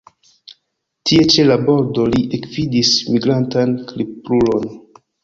Tie ĉe la bordo li ekvidis migrantan kriplulon.